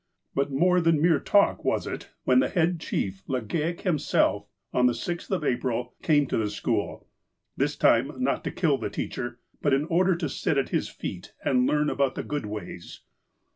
But more than mere talk was it, when the head chief, Legale himself, on the 6th of April, came to the school, this time not to kill the teacher, but in order to sit at his feet and learn about "the good ways."